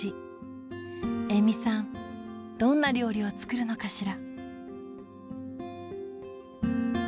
延味さんどんな料理を作るのかしら。